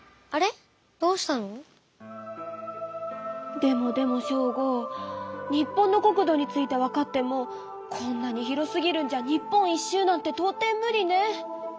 でもでもショーゴ日本の国土について分かってもこんなに広すぎるんじゃ日本一周なんてとう底ムリね。